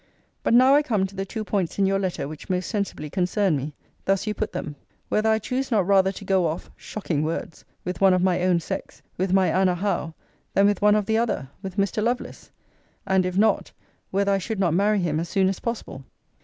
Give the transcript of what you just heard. But now I come to the two points in your letter, which most sensibly concern me: Thus you put them: 'Whether I choose not rather to go off [shocking words!] with one of my own sex; with my ANNA HOWE than with one of the other; with Mr. LOVELACE?' And if not, 'Whether I should not marry him as soon as possible?'